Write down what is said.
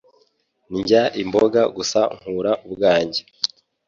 Ndya imboga gusa nkura ubwanjye.